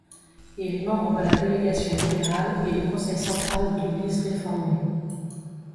Il est membre de la délégation libérale et du Conseil central de l'Église réformée.